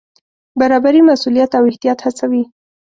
برابري مسوولیت او احتیاط هڅوي.